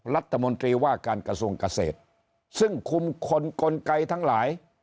รัฐมนตรีว่าการกระทรวงเกษตรซึ่งคุมคนกลไกทั้งหลาย